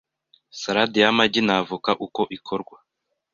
Salade y'amagi n'avoka uko ikorwa